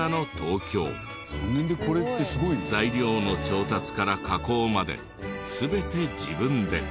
材料の調達から加工まで全て自分で。